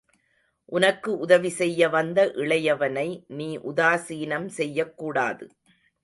உனக்கு உதவி செய்ய வந்த இளையவனை நீ உதாசீனம் செய்யகூடாது.